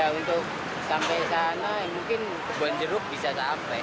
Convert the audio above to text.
ya untuk sampai sana mungkin ke banjeruk bisa sampai